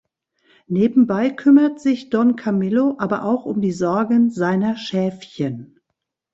Nebenbei kümmert sich Don Camillo aber auch um die Sorgen seiner „Schäfchen“.